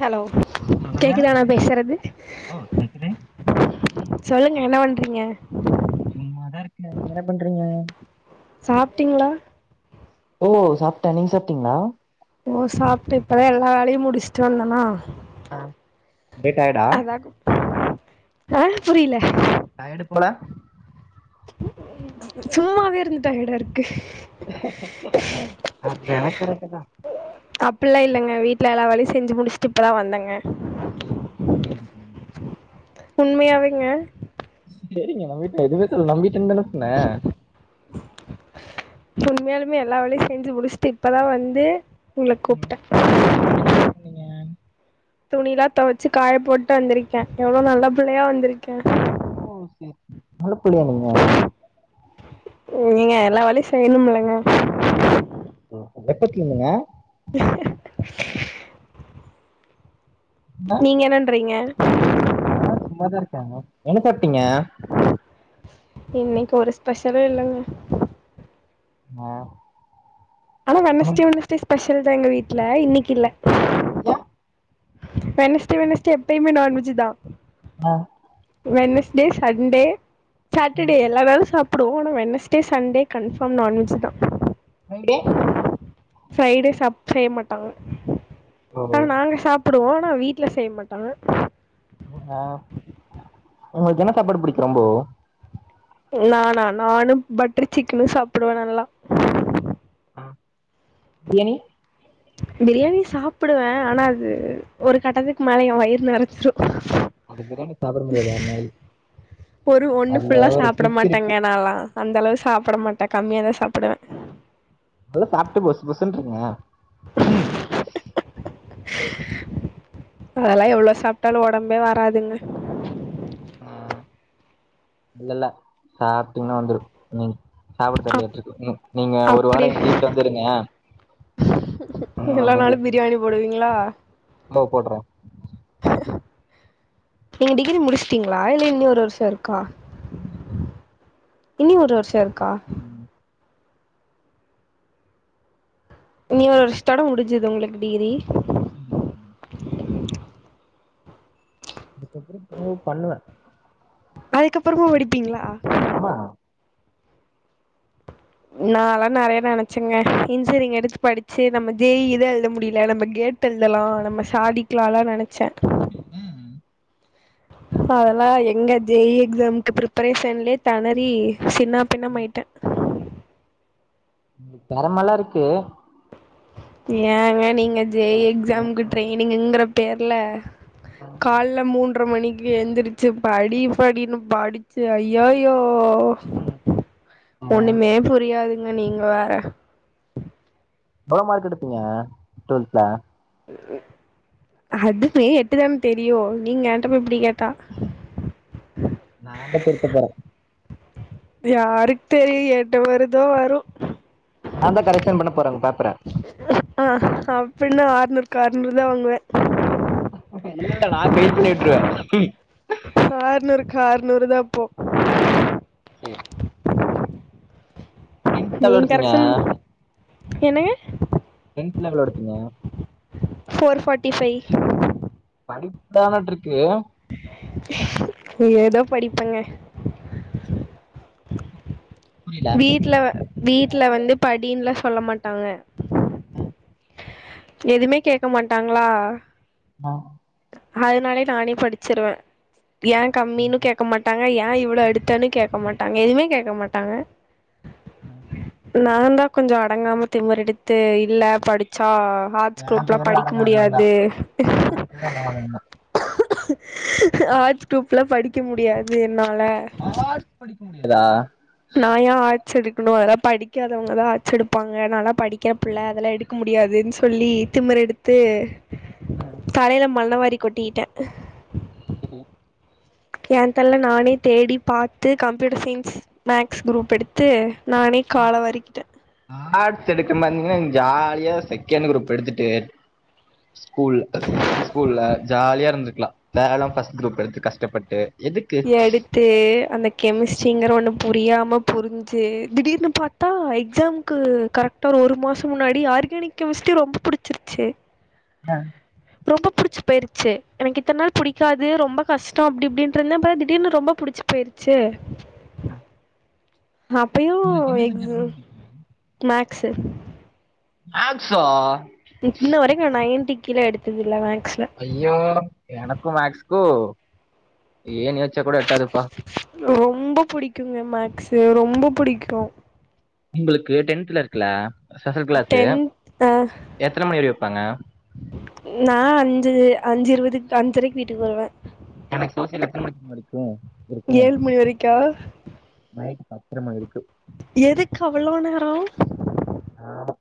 Hello சொல்லுங்க கேக்குதா நா பேசறது ஓ கேக்குது சொல்லுங் என்ன பண்றீங்க சும்மாதா இருக்க நீங்க என்ன பண்றீங்க சாப்ட்டீங்களா ஓ சாப்ட்டே நீங் சாப்ட்டீங்ளா ஓ சாப்ட்டு இப்பதா எல்லா வேலயு முடுச்சுட்டு வந்தனா ஆ டே டயர்டா அதாகு ஆ புரில டயேடு போல சும்மாவே இருந்து டயேடாருக் கு அது எனக்கு கரெக்ட்டு தா அப்புல்லா இல்லங்க வீட்ல எல்லா வேலயு செஞ்சு முடிச்சுட்டு இப்போதா வந்தங்க [unintelligible] உண்மையாவேங்க சேரிங்க நம்பிட்ட எதுமே சொல்ல நம்பிட்டுன்னு தான சொன்னே உண்மையாலுமே எல்லா வேலையும் செஞ்சு முடிச்சுட்டு இப்பதா வந்து உங்கள ம் கூப்ட்டே என்ன வேல பண்ணீங்க துணியிலா துவைச்சு காய போட்டு வந்திருக்கேன் எவ்வளவு நல்ல பிள்ளையா வந்திருக்கேன் ஓ சே சே முழ புள்ளியா நீங்க ஏங்க எல்லா வேலையு செய்யணும்லங்க எப்பத்துலுந்துங்க டி நா என்னன்றீங்க நா சும்மாதா இருக்கேங்க எனக்கட் ட்டிங்க இன்னைக்கு ஒரு ஸ்பெஷலு இல்லங்க ஆ ஆனா வெனஸ்டே உங்களுக்கு வெனஸ்டே ஸ்பெஷ ல்தா எங்க வீட்ல இன்னைக்கு இல்ல ஏ வெனஸ்டே வெனஸ்டே எப்பயுமே நான்வெஜ் தா ஆ வெனஸ்டே சண்டே சாட்டர்டே எல்லா நாளு சாப் புடுவோ ஆனா வெனஸ்டே சண்டே கன்ஃபார்ம் நான்வெஜ் தா எங்க ஃப்ரைடே சாப் செய்ய மாட்டாங்க ஓ ஆனா நாங்க சாப்புடுவோ வீட்ல செய்ய மாட்டாங்க உங்குளுக்கு என்ன சாப்பாடு பிடிக்கு ரொம்போ நானா நானு பட்டர் சிக்கனு சாப்புடுவே நல்லா பிரியாணி பிரியாணி சாப்புடுவே ஆனா அது ஒரு கட்டத்துக்கு மேல எ வயிறு நெறஞ்சிரு அது பிரியாணி சாப்பட முடியாது யாருனாலயு ஒரு ஒண்ணு அதுல ஃபுல்லா ஒரு சாப்ட ட்ரிக் இருக்கு மாட்டேங்க நாலா அந்த அளவு சாப்பட மாட்டே கம்மியாதா சாப்புடுவே அதல்லா சாப்ட்டு பொசு பொசுனு இருங்க அதெல்லா எவ்ளோ சாப்ட்டாலு ஒடம்பே வராதுங்க இல்லல்ல சாப்ட்டிங்கனா வந்துரு ம் சாப்பட அப் தெர்லயாட்ருக்குது ம் நீங்க ஒரு அப்டி வார எங்க வீட்ல வந்து இருங்க ம் எல்லா நாளு பிரியாணி போடுவிங்களா கூபுட்ர நீங்க டிகிரி முடிச்சுட்டீங்களா இல்ல இன்னி ஒரு வருஷோ இருக்கா இங்கிரிப்பரசு இனி ஒரு வருஷம் இருக் உம் இனி ஒரு வருஷதோட முடி ஞ்சது உங்களுக்கு டிகிரி [inaudible] பண்ணுவேன் அதுக்கப்பறமு படிப்பீங்களா ஆமா நான்ல்லாம் நிறைய நினைச்சேங்க இன்ஜினியரிங் எடுத்து படிச்சு நம்ம ஜே ய் தா எழுத முடியல நம்ம டெட் எழுதலாம் நம்ம சாதிக்கலாம்ல்லாம் நினைச்சேன் உம் அதெல்லாம் எங்க ஜேஇ எக்ஸாம்கு ப்ரிப்பரேஷன்லே திணறி சின்னா பின்னமாயிட்டேன் திறமல்லா இருக்கு எ ங்க நீங் ஜே எக்ஸாம்க்கு ட்ரேயனிங்கற தேர்ல கால் ல மூன் அறை மணிக்கு ஏந்திருச்சு படி படினு படிச்சு ஐயய்யோ ஓ ஆ ஒண்ணுமே புரியாதுங்க நீங்க வேற எவ்ளோ மார்க் எடுப்பீங்க டு வெல்த்ல அது மே எட்டுதான தெரியும் நீங்க என்ட போய் இப்படி கே ம் ம் நா தா திருத்த போற யாருக் தெரியு என்ன வருதோ வரு ப்புற ஆஹ் அப்படின்னா அறுநூறுக்கு அறநூறு தான் வாங்குவேன் இல்ல இல்ல நா ஃபைல் பண்ணி விற்றுவ போ உம் கின்ட் எவ்ளோ நீங்க எடுத்தீங்க கரெக்ஷன் என்னங்க எவ்வளோ எடுத்தீங்க போர் ஃபார்ட்டி ஃபைவ் அடிப்பான ட்ரிப் ஏ ஏதோ படிப்பங்க புரில வீட்ல வ வீட்ல வந்து படின்லா சொல்ல மாட்டாங்க ம் எதுமே கேக்க மாட்டாங்ளா ஆ அதனாலயே நானே படிச்சிருவே ஏ கம்மின்னு கேக்க மாட்டாங்க ஏ இவ்ள எடுத்தனு கேக்க மாட்டாங்க எதுமே கேக்க மாட்டாங்க ஹ்ம் நாந்தா கொஞ்ச அடங்காம திமுரெடுத்து இல்ல படிச்சா ஆர்ட்ஸ் என் க்ரூப்லா பேரும் படிக்க அடங்காதவன் முடியாது தான் [unintelligible] ஆர்ட்ஸ் க்ரூப்லா படிக்க முடியாது என்னால தா நா ஏ ஆட் ஸ் எடுக்கணு அதெல்லா படிக்காதவங்கதா ஆட்ஸ் எடுப்பாங்க நாலா படிக்கிற பிள்ளை அதெல்லா எடுக்க முடியாதுனு சொல்லி திமுரெடுத்து தலையில மண்ணவாரி ரி கொட்டிட்டே செரி ஏந்தலேல்ல நானே தேடி பாத்து கம்ப்யூட்டர் சயின்ஸ் மேக்ஸ் குரூப் எடுத்து நானே கால வாரிக்கிட்டேன் ஆட்ஸ் எடுக்க மறந்தீங்கன்னா ஜாலி யா செகண்ட் குரூப் எடுத்துட்டு ஸ்கூல்ல ஸ்கூல்ல ஜாலியா இருந்துக்கலா தேவல்லாம ஃபர்ஸ்ட் குரூப் எடுத்து கஷ்ட டப்பட்டு எடுத்து அந்த கெமிஸ்ட்ரிங்கிற ஒண்ணு புரியாம புரிஞ்சு திடீர்னு பாத்தா எக்ஸாம்க்கு கரெக்டா ஒரு மாசோ முன்னாடி ஆர்கானிக் கெமிஸ்ட்ரி ரொம்ப புடிச்சுருச்சு உங்களுக்கு ரொம்ப புடிச்சு போயிற்ச்சு எனக்கு இத்தன்ன நாள் புடிக்காது ரொம்ப கஷ்டோ அப்டி இப்டினு த்திருந்தே பா திடீர்னு ரொம்ப புடிச்சு போயிருச்சு அப்பேயு எந்த எக் சப்ஜெக்ட் ரொம்ப பிடிக்கும் மாக் க்ஸு மேக்ஸா இன்ன வரேக்கு நா நைன்டிக்கு கில எடுத்து துதில்ல மே ஐயோ எனக்கு மேக்ஸ்க்கு ஏணியே வச்சாக் கூட எட்டாதுப்பா ரொம்ப புடிக்குங்க மேக்ஸ்சு ரொம்ப புடிக்கு உங்களுக் க்கு டென்த்ல இருக்குல்ல ஸ்பெஷல் க்ளாஸ்சு டென்த் அ எத்தன மணி வரயு பங்க நா அஞ்சு அஞ்சு இருவதுக் அஞ்சரைக்கி வீட்டுக்கு வருவே எனக்கு சோசியல் எத்தன மணிக்கு முடிக்கு இருக்கு ஏழு மணி வரைக்கா நைட் பத்தரமா இருக்கு எதுக்கு அவ்ளோ நேரோ ஆமா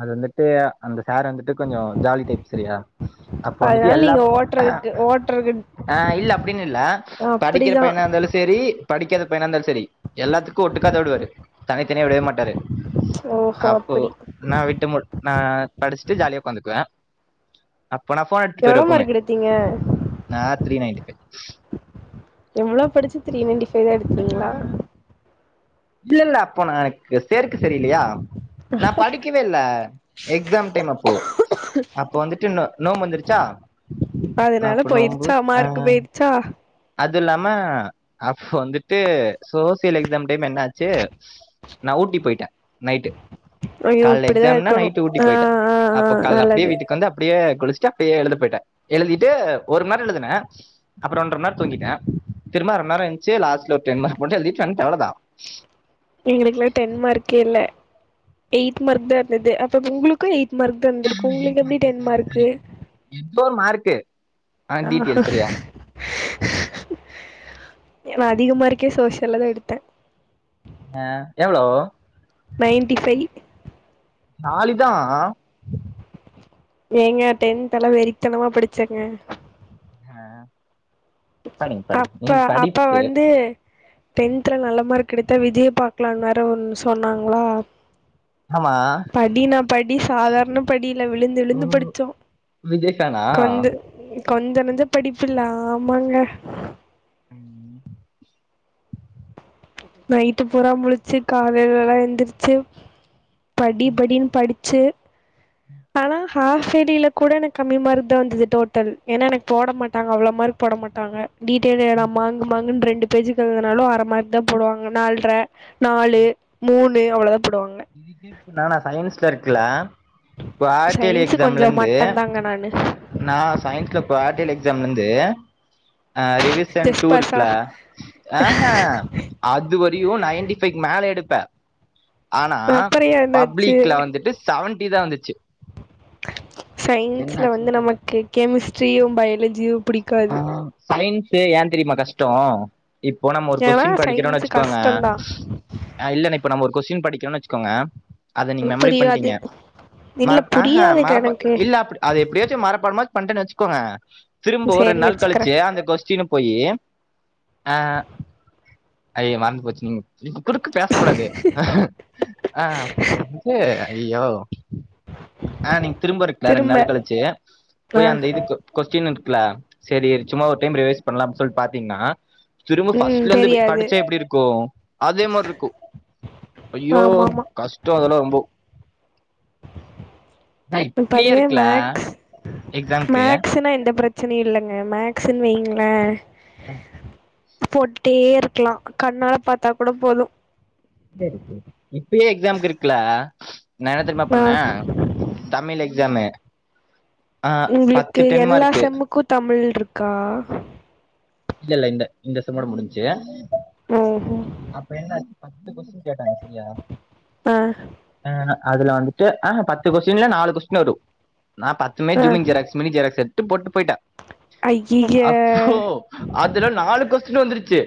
அது வந்துட்டு அந்த சார் வந்துட்டு கொஞ்சோ ஜாலி டைப் சரியா அப்ப வந்துட்டு அதனால எல்லா நீங்க ஓட்றதுக்கு ஓட்றக்கு ஆ இல்ல அப்டின்னு இல்ல படிக்கிற அப்டிதா பையனா இருந்தாலு செரி படிக்காத பையனா இருந்தாலு செரி எல்லாத்துக்கு ஒட்டுக்காத விடுவாரு தனித்தனியா விடவே மாட்டாரு ஓஹோ அப்டி நா படிச்சிட்டு ஜாலியா ஒக்காந்துக்குவே எவ்ளோ மார்க் எடுத்தீங்க நான் த்ரீ நயன்டி ஃபைவ் எவ்ளோ படிச்சி தீரி நைண்டி ஃபைவ் இது எடுத்தீங்களா இல்ல இல்ல அப்போ நான் எனக்கு சேர்க் சரி இல்லயா நா படிக்கவே இல்ல எக்ஸாம் டைம் அப்போ அப்போ வந்துட்டு இன்னு நோம்பு வந்திருச்சா அதனால போயிருச்சா மார்க் போயிருச்சா அது இல்லாம அப்போ வந்துட்டு சோசியல் எக்ஸாம் டைம் என்ன ஆச் சி நா ஊட்டி போயிட்டே நைட்டு ஐயோ கால்ல இப்டிதா எக்ஸாம்னா இருக்கணு நைட்டு் ஊட்டி ஆ போயிட்டேன் ஆ ஆ அப்ப கால்ல அப்டியே நல்லது வீட்டுக்கு வந்து அப்டியே குளிச்சிட்டு அப்டியே எழுத போயிட்டே எழுதீட்டு ஒருமணி நேரோ எழுதனே அப்பறோ ஒன்ற மணி நேரோ தூங்கிட்டேன் திரும்ப அர மணி நேரோ எந்ச்சி லாஸ்ட் லா ஒரு டென் மார்க் மட்டு எழுதீட்டு வந்தேன் அவ்ளோதா எங்களுக்கெல்லா டென் மார்க்கே இல்ல எயிட் மார்க் தா இருந்தது அப்ப உங்களுக்கு எயிட் மார்க் தா இருந்துருக்கு உங்களுக்கு எப்டி டென் சாரி மார்க் சாரி எதோ ஒரு மார்க்கு ஆ டீடெயல் சரியா நா அதிக மார்க்கே சோசியல்ல தா எடுத்தேன் ஆ எவ்ளோ நயன்டி ஃபைவ் தாலிதான் ஏங்க டென்த் எல்லாம் வெறித்தனமா படிச்சேங்க ஆ அப்ப அப்ப வந்து டென்துல நல்ல மார்க் எடுத்தா விஐய பாக்கலாம்னர ஒன்னு சொன்னாங்களா ஆமா படினா படி சாதாரண படியில்ல விழுந்து ஓ விழுந்து படிச்சோ விஜய் ஃபேனா கொந்து கொஞ்சனஞ்ச படிப்பில்ல ஆமாங்க ம் நைட்டு பூரா முழிச்சு காலையிலல்லாம் எந்திருச்சு படி படின்னு படிச்சு ஆனா ஹா ஃஆப்யியர்லி கூட எனக்கு கம்மி மார்க் தான் வந்தது டோட்டல் ஏன்னா எனக்கு போட மாட்டாங்க அவ்ளோ மார்க் போட மாட்டாங்க டீடெயில் நா மாங்கு மாங்குனு [unintelligible] ரெண்டு பேஜ்க்குனாலும் அற மார்க் தான் போடுவாங்க நால்ற நாலு மூணு அவ்ளோதான் இதுக்கே இப்ப நானா சயின்ஸ்ல இருக் இருக்குல க்குவாத்தேலி சயின்ஸு எக்ஸாம்ல கொஞ்சோ இருந்து மட்டந்தாங்க நானு நான் சயின்ஸ்ல க்குவாத்தேலி எக்ஸாம்ல இருந்து அ ரிவிசன் ஜஸ்ட் டூ பாஸா இருக்ல ஆஹ அதுவரையும் நைன்டி பைஃவ் மேல எடுப்பே ஆனா அப்புறோ ஏ என்னாச்சு பப்ளிக்ல வந்துட்டு செவன் பிஃப்டி தான் வந்துச்சு சயின்ஸ்ல வந்து என்னாச்சுன்னு தெர்ல நமக்கு கெமிஸ்ட் ரியும் பயலஜியும் ஆ சயின் ஸு ஏன் தெரியுமா கஷ்டம்? இப்போ நம்ம ஒரு ஏன்னா கொஸ்டின் படிக்கிறோம்ன்னு சயின்ஸு வச்சுக்கோங்க கஷ்டந்தா ஆ இல்லன்னா இப்ப நம்ம ஒரு கொஸ்டின் படிக்கலும்னு வச்சுக்கோங்க அத நீங் மெமரி புரியாது பண்ணிட்டீங்க இல்ல மரப் ஆஹ புரியாதுங்க மரப எனக்கு இல்ல அப்டி அத எப்படியாச்சு மரப்படமா பண்டேன்னு வச்சுக்கோங்க திரும்போர் சேரி ரெண்டு நாள் வச்சுக்கிறே கழிச்சு அந்த கொஸ்டினு போய் அ ஐய்யயோ மறந்து போச்சு நீங் குறுக்கு பேசக் கூடாது ஆ என்னது ஐயோ அ நீ திரும்ப இருக்கல ரெண்டு நாள் கழிச்சு ஆ போய் அந்த இதுக்கு கொஸ்டின் இரு க்ள சேரி சும்மா ஒரு டைம் ரிவைஸ் பண்ணலாம்னு சொல்லி பாத்தீங்கன்னா திரும்ப ம் ஃபர்ஸ்ட்ல இருந்து தெரியாது படிச்சா எப்படி இருக்கும் அதே மாதிரி இருக்கூ ஐயோ ஆமா ஆமா கஷ்டம் அதெல்லாம் ரொம்போ நா இப்ப இப்பயே அதுவே இருக்குல மேக்ஸ் எக்ஸாம்க்கு மேக்ஸ்னா எந்த பிர ச்சனையு இல்லைங்க மேக்சுன் வைங்கள ம் போட்டுடே இருக்கலாம் கண்ணால பார்த்தா கூட போதும் செரி செரி இப்பேயே எக்ஸாம்க் இருக்குல ந என்ன தெரியுமா ஆ பண்ணேன் தமிழ் எக்ஸாமு பத்து உங்களுக்கு டென் எல்லா மார்க்கு செம்முக்கும் தமிழ் இருக்கா இல்ல இல்ல இந்த இந்த செம்மோட முடிஞ்ச்சு ஓஹோ அப்ப என்ன பத்து கொஸ்டின் கேட்டாங்க சரியா ஆ அ அதுல வந்துட்டு அ பத்து கொஸ்டின் இல்ல நாலு கொஸ்டின் வரும் நான் பத்துமே ஜூம்மிங் ஜெராகஸ் மினி ஜெராக்ஸ் எடுத் போட்டு போயிட்டேன் ஐய்ஐய்ய அப்போ அதுல நாலு கொஸ்டின் வந்துருச்சு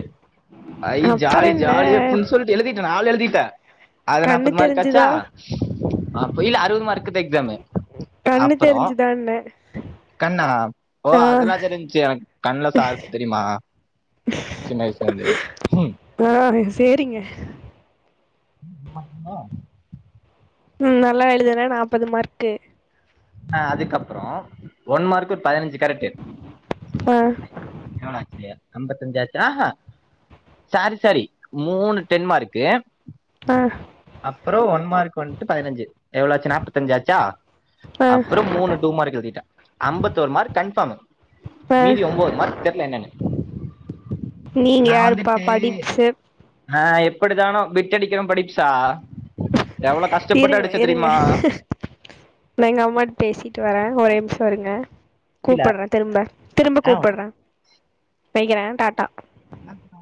ஐ அப்புற ஜாலி என்ன ஜாலி அப்பிடின்னு சொல்லிட்டு எழுதிட்டேன் நாலும் எழுதிட் ட்ட அது கண்ணு நாப்பது மார்க் ஆச்சா தெரிஞ்சுதா அப்ப இல்ல அறுவது மார்க் ஃப்ஸ்ட் எக்ஸாம் கண்ணு அப்புறம் தெரிஞ்சுதான்னே கண்ணா ஓ ஆ அதெல்லாம் தெரிஞச்சு கண்ண சார் தெரியுமா சின்ன வயசுல இருந்தே ஃபோன் செரிங்க மக் மா ம் நல்லா எழுதுனே நாப்பது மார்க்கு ஆ அதுக்கப்புறம் ஒன் மார்க் ஒரு பதினஞ்சு கரெக்ட் ஆ எவ்ளோ ஆச்சு அம்பத்தஞ்சு ஆச்சா சாரி சாரி மூணு டென்மார்க் ஆ அப்புறம் ஒன் மார்க் ஒன் பதினஞ்சு எவ்ளோச்சு நாப்பத்தஞ்சு ஆச்சா ஆ அப்புறம் மூணு டூ மார்க் எழுதிட்டே அம்பத்தோர் மார்க் கன்ஃபார்ம் ஆ மீதி ஒம்போது மார்க் தேங்க் யூ நீங்க யாருப்பா படிப்ஸ்சர் அப்டித்தானோ பிட் அடிக்கிரவ படிச்சா இருங்க இருங்க நா எங்கம்மாட் பேசிட்டு வரே ஒரேம்ஸோ இருங்க புரில கூப்பர்றே திரும்ப திரும்ப கூப்பர்ர வெக்கிறே டாட்டா அப்டியா